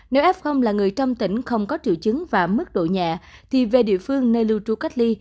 nếu f là người trong tỉnh không có triệu chứng và mức độ nhẹ thì về địa phương nơi lưu trú cách ly